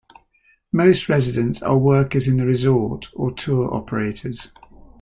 Most residents are workers in the resort or tour operators.